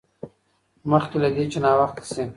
مخکې له دې چې ناوخته شي.